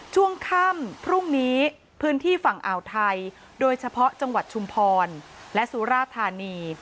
ช่วงค่ำพรุ่งนี้พื้นที่ฝั่งอ่าวไทยโดยเฉพาะจังหวัดชุมพรและสุราธานี